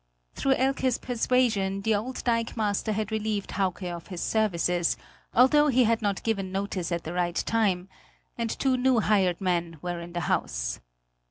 Through Elke's persuasion, the old dikemaster had relieved Hauke of his services, although he had not given notice at the right time, and two new hired men were in the house.